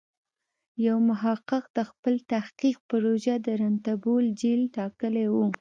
یو محقق د خپل تحقیق پروژه د رنتبور جېل ټاکلی و.